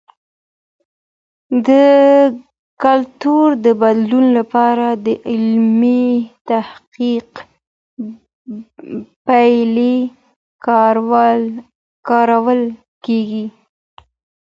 د کلتور د بدلون لپاره د علمي تحقیق پایلې کارول کیږي.